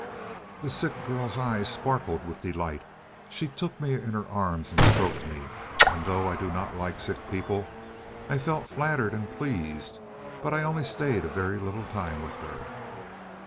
"The sick girl's eyes sparkled with delight. She took me in her arms and stroked me. And though I do not like sick people, I felt flattered and pleased. But I only stayed a very little time with her."